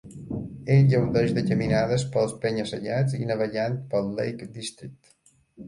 Ell gaudeix de caminades pels penya-segats i navegant pel Lake District.